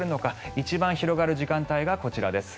一番広がる時間帯がこちらです。